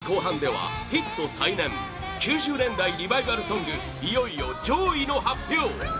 番組後半では、ヒット再燃９０年代リバイバルソングいよいよ上位の発表！